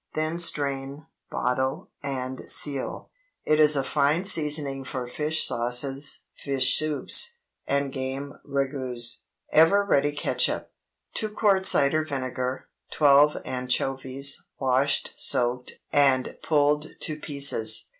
Then strain, bottle, and seal. It is a fine seasoning for fish sauces, fish soups, and game ragoûts. "EVER READY" CATSUP. ✠ 2 quarts cider vinegar. 12 anchovies, washed, soaked, and pulled to pieces.